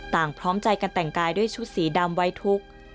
พร้อมใจกันแต่งกายด้วยชุดสีดำไว้ทุกข์